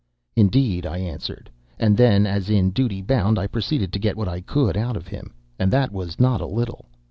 "'Indeed,' I answered; and then as in duty bound I proceeded to get what I could out of him, and that was not a little.